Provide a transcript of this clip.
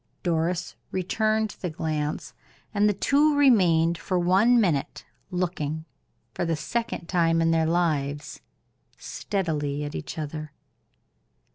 Doris returned the glance, and the two remained for one minute looking, for the second time in their lives, steadily at each other.